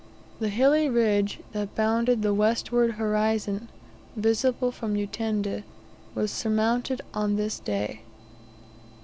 The hilly ridge that bounded the westward horizon, visible from Utende, was surmounted on this day.